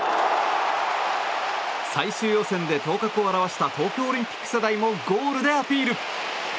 最終予選で頭角を現した東京オリンピック世代もゴールでアピール。